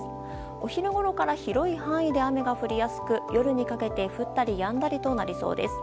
お昼ごろから広い範囲で雨が降りやすく夜にかけて降ったりやんだりとなりそうです。